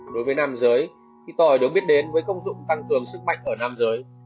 đối với nam giới khi tôi được biết đến với công dụng tăng cường sức mạnh ở nam giới